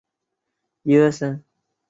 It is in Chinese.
但是肚子咕噜咕噜叫